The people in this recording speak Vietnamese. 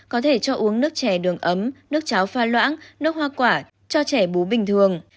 có thể cho uống nước chè đường ấm nước cháo pha loãng nước hoa quả cho trẻ bú bình thường